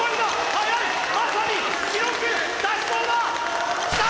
速いまさに記録出しそうだ！きた！